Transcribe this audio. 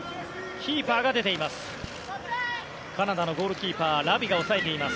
キーパーが出ています。